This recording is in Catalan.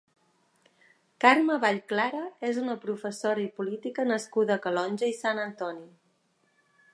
Carme Vall Clara és una professora i política nascuda a Calonge i Sant Antoni.